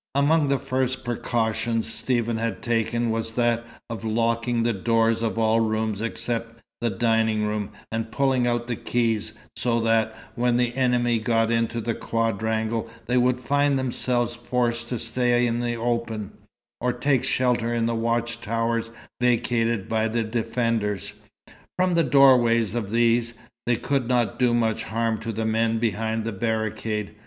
Among the first precautions Stephen had taken was that of locking the doors of all rooms except the dining room, and pulling out the keys, so that, when the enemy got into the quadrangle, they would find themselves forced to stay in the open, or take shelter in the watch towers vacated by the defenders. From the doorways of these, they could not do much harm to the men behind the barricade.